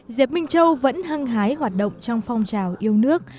diệp minh châu vẫn hăng hái hoạt động trong phong trào yêu nước